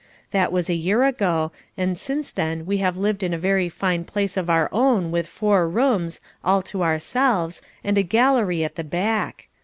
That was a year ago, and since then we have lived in a very fine place of our own with four rooms, all to ourselves, and a gallery at the back.